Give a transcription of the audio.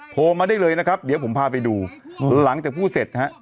โทรมาได้เลยนะครับเดี๋ยวผมพาไปดูหลังจากพูดเสร็จฮะ